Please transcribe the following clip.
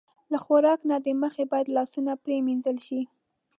له خوراک نه د مخه باید لاسونه پرېمنځل شي.